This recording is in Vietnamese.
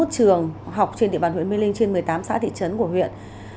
trường học trên địa bàn huyện mê linh trên một mươi tám xã thị trấn của huyện